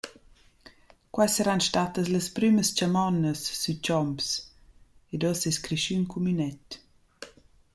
Quai saran stattas las prümas chamonnas, sü Chomps, ed uossa es creschü ün cumünet.